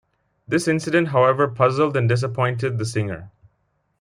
This incident however puzzled and disappointed the singer.